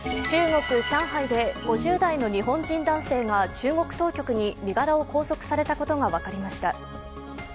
中国・上海で５０代の日本人男性が中国当局に身柄を拘束されたことが分かりました。